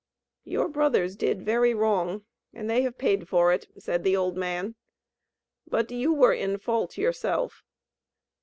"Your brothers did very wrong, and they have paid for it," said the old man; "but you were in fault yourself.